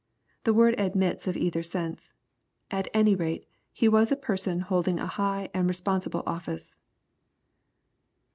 The word admits of either sense. At any rate he was a person holding a high and responsible office.